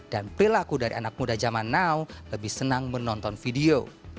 perilaku dari anak muda zaman now lebih senang menonton video